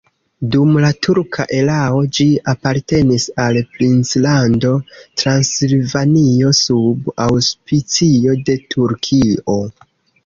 Dum la turka erao ĝi apartenis al Princlando Transilvanio sub aŭspicio de Turkio.